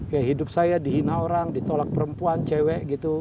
ya hidup saya dihina orang ditolak perempuan cewek gitu